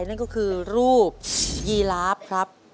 นั่นก็คือรูปยีรัพย์ครับ